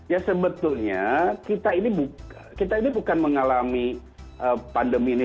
ya sebetulnya kita ini bukan mengalami pandemi ini